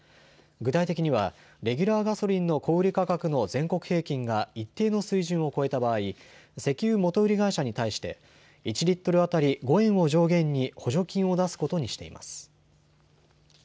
具体的には、レギュラーガソリンの小売り価格の全国平均が一定の水準を超えた場合、石油元売り会社に対して、１リットル当たり５円を上限に補助金を出すことにしています。